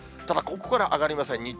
ただここから上がりません。